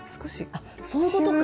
あっそういうことか！